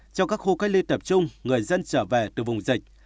cho các khu cách ly tập trung người dân trở về từ vùng dịch